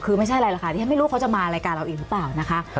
คือไม่ใช่อะไรหรอกค่ะที่ฉันไม่รู้เขาจะมารายการเราอีกหรือเปล่านะคะ